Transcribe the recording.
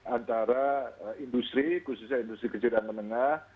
antara industri khususnya industri kecil dan menengah